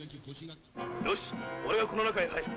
よし、俺がこの中へ入る。